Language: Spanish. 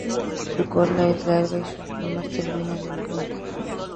Su cola es larga y sus plumas terminan en punta.